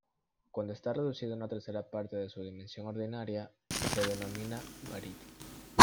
Cuando está reducido a una tercera parte de su dimensión ordinaria, se denomina "varita".